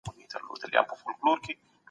کمپيوټر د عصري ژوند مهمه برخه ده.